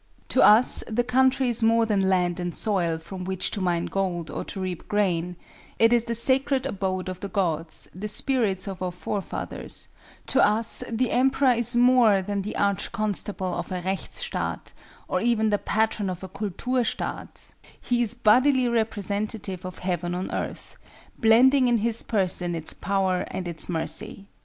To us the country is more than land and soil from which to mine gold or to reap grain—it is the sacred abode of the gods, the spirits of our forefathers: to us the Emperor is more than the Arch Constable of a Rechtsstaat, or even the Patron of a Culturstaat—he is the bodily representative of Heaven on earth, blending in his person its power and its mercy.